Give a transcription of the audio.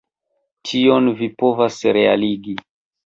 Tion vi povas realigi.